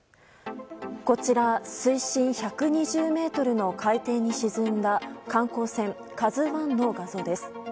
こちら水深１２０ｍの海底に沈んだ観光船「ＫＡＺＵ１」の画像です。